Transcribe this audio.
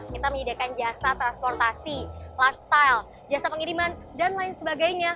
kita menyediakan jasa transportasi lifestyle jasa pengiriman dan lain sebagainya